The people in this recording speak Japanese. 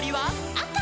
「あか！」